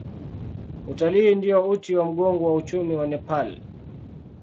Utalii ndio uti wa mgongo wa uchumi wa Nepal.